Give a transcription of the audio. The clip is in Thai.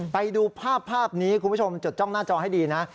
ไปดูภาพนี้คุณผู้ชมจดจ้องหน้าจอให้ดีนะ